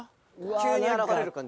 急に現れる感じ？